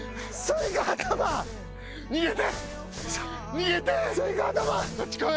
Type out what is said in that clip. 逃げて！